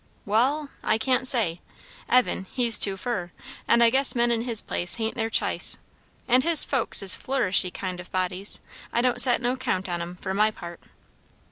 "Wall, I can't say. Evan, he's too fur; and I guess men in his place hain't their ch'ice. And his folks is flourishy kind o' bodies; I don't set no count on 'em, for my part."